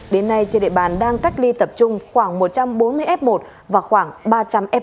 đến nay trên địa bàn đang cách ly tập trung khoảng một trăm bốn mươi f một và khoảng ba trăm linh f một